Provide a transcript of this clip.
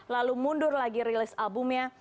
lalu mundur lagi rilis albumnya